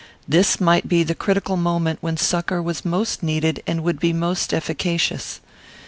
This might be the critical moment when succour was most needed and would be most efficacious.